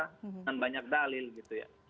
dengan banyak dalil gitu ya